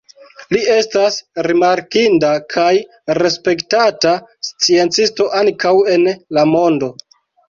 Li estas rimarkinda kaj respektata sciencisto ankaŭ en la mondo.